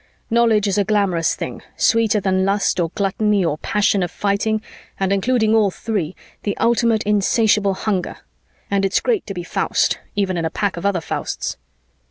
Knowledge is a glamorous thing, sweeter than lust or gluttony or the passion of fighting and including all three, the ultimate insatiable hunger, and it's great to be Faust, even in a pack of other Fausts.